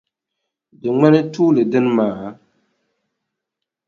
Di ŋmani tuuli dini maa?